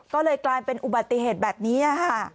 ก็เลยกลายเป็นอุบัติเหตุแบบนี้ค่ะ